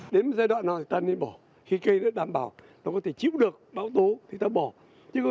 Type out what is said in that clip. đến một giai đoạn nào thì ta nên bỏ khi cây đã đảm bảo ta có thể chiếm được bão tố thì ta bỏ